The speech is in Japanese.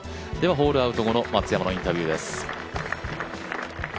ホールアウト後の松山のインタビューです。